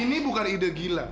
ini bukan ide gila